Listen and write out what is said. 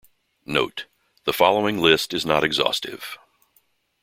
Note: The following list is not exhaustive.